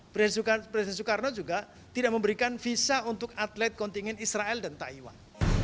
presiden soekarno juga tidak memberikan visa untuk atlet kontingen israel dan taiwan